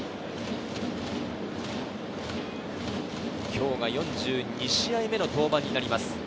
今日が４２試合目の登板になります。